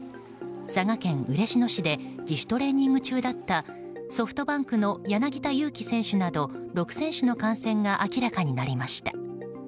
佐賀県嬉野市で自主トレーニング中だったソフトバンクの柳田悠岐選手など６選手の感染が明らかになりました。